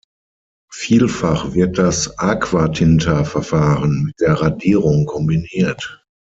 Vielfach wird das Aquatinta-Verfahren mit der Radierung kombiniert.